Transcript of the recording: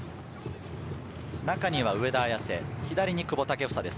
中には上田綺世、左に久保建英です。